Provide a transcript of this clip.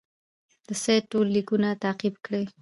د سید ټول لیکونه تعقیب کړي.